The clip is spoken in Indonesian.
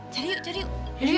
cari yuk cari yuk